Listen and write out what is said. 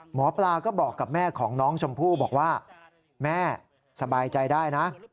หมอปลาก็บอกกับแม่ของน้องชมพู่บอกว่าแม่สบายใจได้นะ